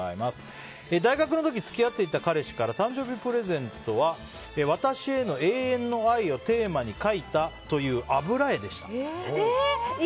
大学の時付き合っていた彼氏から誕生日プレゼントは私への永遠の愛をテーマに描いたという油絵でした。